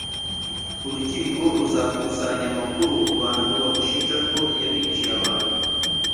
Urukiko ruzakusanya amakuru mu bantu bamushinja ko yabiciye abantu